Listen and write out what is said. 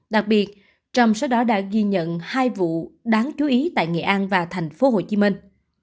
đặc biệt trong số đó đã ghi nhận hai vụ đáng chú ý tại nghệ an và thành phố hồ chí minh